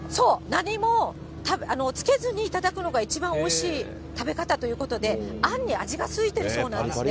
何もつけずに頂くのが一番おいしい食べ方ということで、あんに味がついているそうなんですね。